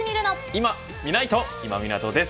いまみないと、今湊です。